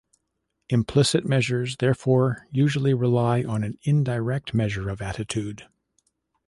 Implicit measures therefore usually rely on an indirect measure of attitude.